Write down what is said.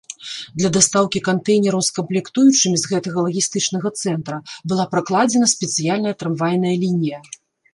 Для дастаўкі кантэйнераў з камплектуючымі з гэтага лагістычнага цэнтра была пракладзена спецыяльная трамвайная лінія.